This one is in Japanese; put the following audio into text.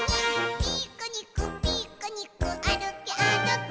「ピクニックピクニックあるけあるけ」